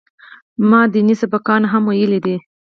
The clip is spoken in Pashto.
ما ديني سبقان هم ويلي دي.